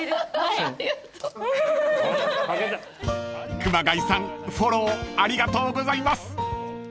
［熊谷さんフォローありがとうございます］